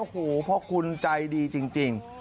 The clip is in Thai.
โอ้โหพ่อคุณใจดีจริง